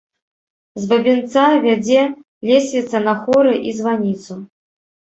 З бабінца вядзе лесвіца на хоры і званіцу.